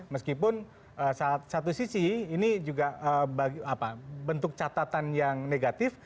meskipun satu sisi ini juga bentuk catatan yang negatif